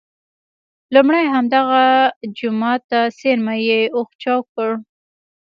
لومړی همدغه جوما ته څېرمه یې اوښ چوک کړ.